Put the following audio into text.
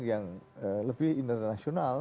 yang lebih internasional